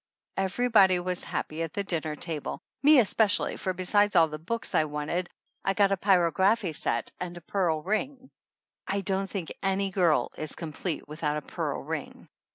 Everybody was happy at the dinner table, me especially, for besides all the books I wanted I got a pyrography set and a pearl ring. I don't think any girl is complete without a pearl ring.